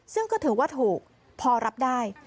ซึ่งก็ถือว่าถูกพอรับได้